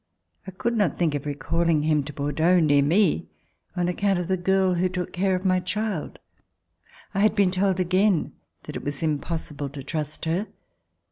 I could not think of recalling him to Bordeaux, near me, on account of the girl who took care of my child. I had been told again that it was impossible to trust her.